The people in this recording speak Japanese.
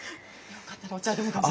よかったらお茶でもどうぞ。